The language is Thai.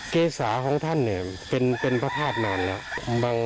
เกษาของท่านเนี่ยเป็นพระธาตุนานแล้ว